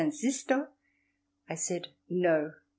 Sisto"? I said, "No."